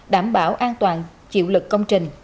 đảm bảo an toàn chịu lực công trình